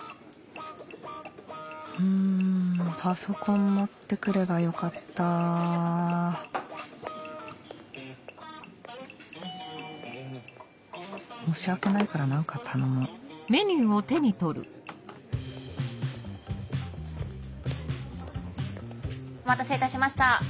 んパソコン持ってくればよかった申し訳ないから何か頼もうお待たせいたしました。